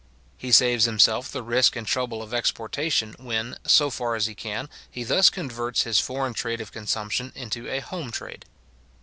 He saves himself the risk and trouble of exportation, when, so far as he can, he thus converts his foreign trade of consumption into a home trade.